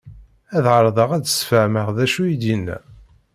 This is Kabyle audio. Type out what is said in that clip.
Ad ɛerḍeɣ ad d-sfehmeɣ d acu i d-inna.